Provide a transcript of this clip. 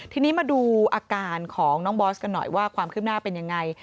ทีนี้มาดูอาการของน้องบอสกันหน่อยว่าความคืบหน้าเป็นยังไง